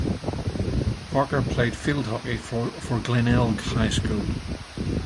Parker played field hockey for Glenelg High School.